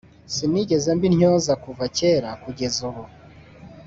sinigeze mba intyoza Kuva kera kugeza ubu